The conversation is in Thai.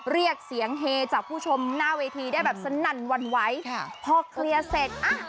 เรียกเสียงเฮจากผู้ชมหน้าเวทีได้แบบสนั่นหวั่นไหวค่ะพอเคลียร์เสร็จอ่ะ